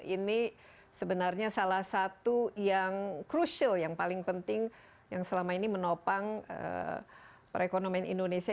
ini sebenarnya salah satu yang crucial yang paling penting yang selama ini menopang perekonomian indonesia